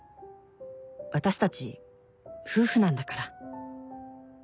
「私たち夫婦なんだから」